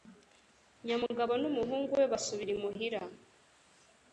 Nyamugabo n'umuhungu we basubira imuhira